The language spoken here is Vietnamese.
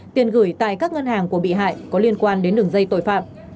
tiền gửi tại các ngân hàng của bị hại có liên quan đến đường dây tội phạm